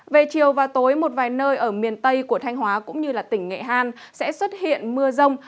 về chiều và tối một vài nơi ở miền tây của thanh hóa cũng như tỉnh nghệ an sẽ xuất hiện mưa rông